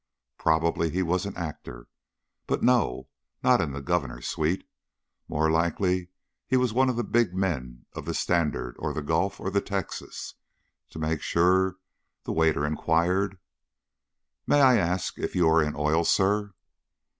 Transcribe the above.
Probably he was an actor! But no! Not in the Governor's suite. More likely he was one of the big men of the Standard, or the Gulf, or the Texas. To make sure, the waiter inquired: "May I ask if you are in oil, sir?"